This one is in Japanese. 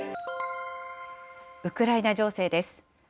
ウクライナ情勢です。